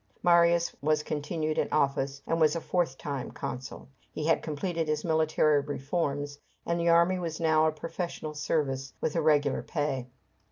Marius was continued in office, and was a fourth time consul. He had completed his military reforms, and the army was now a professional service, with regular pay.